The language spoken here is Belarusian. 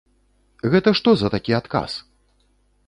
Гэта што за такі адказ?